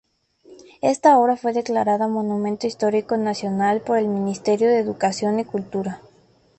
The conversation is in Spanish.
Esta obra fue declarada Monumento Histórico Nacional por el Ministerio de Educación y Cultura.